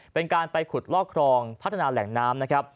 เป็นการไปขุดลอกครองพัฒนาแหล่งน้ำนะครับ